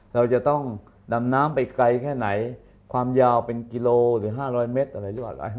เราจะต้องดำน้ำไปไกลแค่ไหนความยาวเป็นกิโลหรือ๕๐๐เมตรอะไรหรือเปล่า